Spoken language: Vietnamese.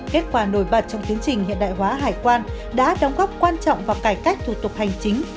kết quả nổi bật trong tiến trình hiện đại hóa hải quan đã đóng góp quan trọng vào cải cách thủ tục hành chính